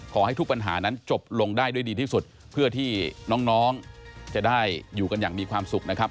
ขอให้ทุกปัญหานั้นจบลงได้ด้วยดีที่สุดเพื่อที่น้องจะได้อยู่กันอย่างมีความสุขนะครับ